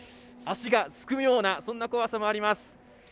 足がすくむようなそんな怖さもあります。